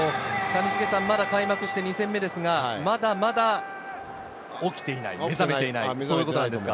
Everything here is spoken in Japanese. まだ開幕して２戦目ですが、まだまだ起きていない、目覚めていないということなんですか？